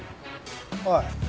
おい。